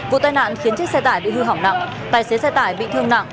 vụ tai nạn khiến chiếc xe tải bị hư hỏng nặng tài xế xe tải bị thương nặng